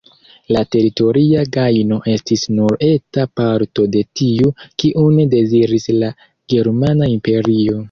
La teritoria gajno estis nur eta parto de tiu, kiun deziris la germana imperio.